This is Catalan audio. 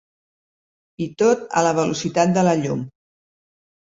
I tot a la velocitat de la llum.